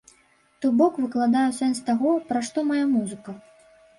То бок выкладаю сэнс таго, пра што мая музыка.